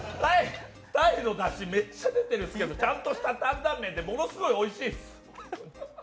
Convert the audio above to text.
鯛のだしめっちゃ出てるし、ちゃんとしたタンタン麺でものすごいおいしいです。